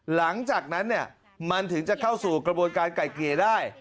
หลังจากนั้นมันถึงจะเข้าสู่กระบวนการไก่เกลี่ยได้